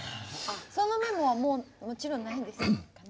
そのメモはもうもちろんないんですよね？